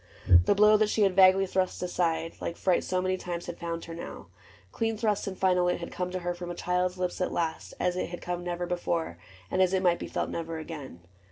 The blow that she had vaguely thrust aside Like fright so many times had found her now : Clean thrust and final it had come to her From a child's lips at last, as it had come Never before, and as it might be felt Never again.